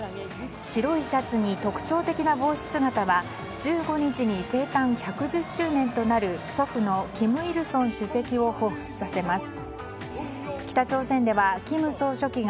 白いシャツに特徴的な帽子姿は１５日に生誕１１０周年となる祖父の金日成主席をほうふつさせます。